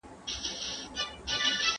ناسمه لیکنه د ژبې ښکلا له منځه وړي.